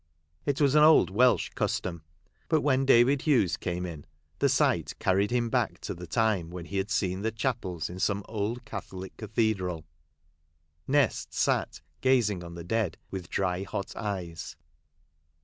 It was an old Welsh custom ; but when David Hughes came in, the sight carried him back to the time when he had seen the chapels in some old Catholic cathe dral. Nest sat gazing on the dead with dry, hot eyes.